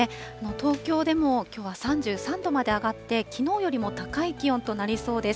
東京でもきょうは３３度まで上がって、きのうよりも高い気温となりそうです。